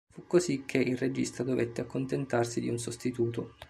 Fu così che il regista dovette accontentarsi di un sostituto.